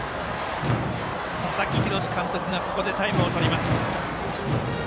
佐々木洋監督がここでタイムをとります。